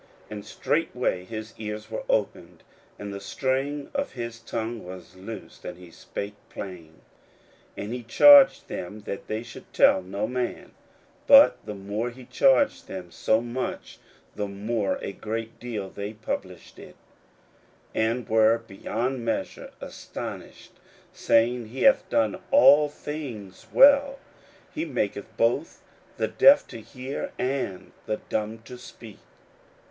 41:007:035 And straightway his ears were opened, and the string of his tongue was loosed, and he spake plain. 41:007:036 And he charged them that they should tell no man: but the more he charged them, so much the more a great deal they published it; 41:007:037 And were beyond measure astonished, saying, He hath done all things well: he maketh both the deaf to hear, and the dumb to speak.